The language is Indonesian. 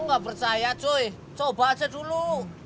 nggak percaya joy coba aja dulu